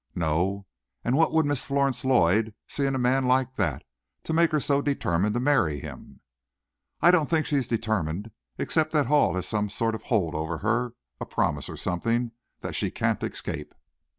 "No; and what would Miss Florence Lloyd see in a man like that, to make her so determined to marry him?" "I don't think she is determined, except that Hall has some sort of hold over her, a promise or something, that she can't escape."